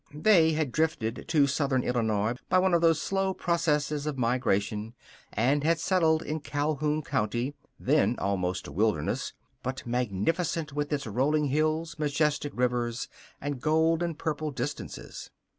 They had drifted to southern Illinois by one of those slow processes of migration and had settled in Calhoun County, then almost a wilderness, but magnificent with its rolling hills, majestic rivers, and gold and purple distances.